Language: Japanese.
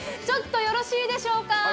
ちょっとよろしいでしょうか？